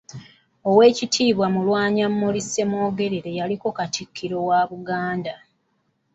Owekitiibwa Mulwanyammuli Ssemwogwrere yaliko katikkiro wa Buganda.